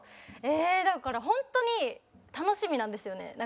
ええーだから本当に楽しみなんですよね。